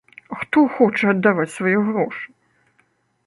Хто хоча аддаваць свае грошы!?